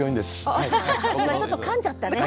今ちょっとかんじゃったね。